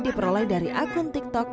diperoleh dari akun tiktok